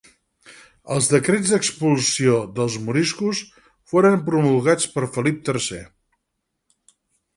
Els decrets expulsió dels moriscos foren promulgats per Felip tercer